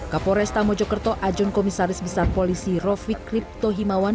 kapolres tamo jokerto ajun komisaris besar polisi rofi kriptohimawan